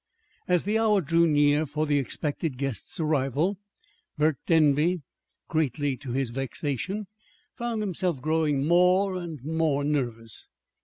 As the hour drew near for the expected guest's arrival, Burke Denby, greatly to his vexation, found himself growing more and more nervous.